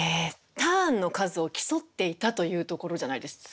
ターンの数を競っていたというところじゃないですか？